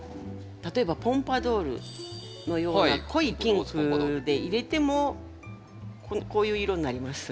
例えばポンパドゥールのような濃いピンクでいれてもこういう色になります。